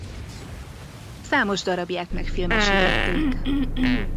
Számos darabját megfilmesítették.